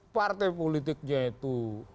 partai politiknya itu